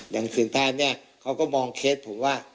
อย่างสืบทราบเนี่ยเขาก็มองเคสผมว่า